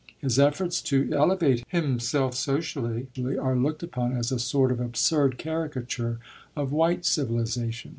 His efforts to elevate himself socially are looked upon as a sort of absurd caricature of "white civilization."